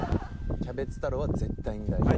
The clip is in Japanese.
キャベツ太郎は絶対に大丈夫。